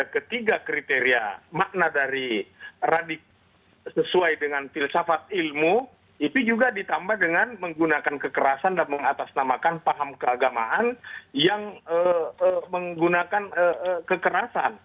ketiga kriteria makna dari radikal sesuai dengan filsafat ilmu itu juga ditambah dengan menggunakan kekerasan dan mengatasnamakan paham keagamaan yang menggunakan kekerasan